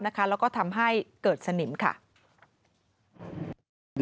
แล้วก็ทำให้เกิดสนิมค่ะ